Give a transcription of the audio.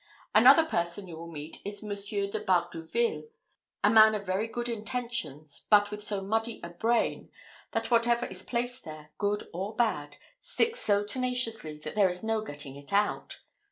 Another person you will meet is Monsieur de Bardouville, a man of very good intentions, but with so muddy a brain, that whatever is placed there, good or bad, sticks so tenaciously that there is no getting it out.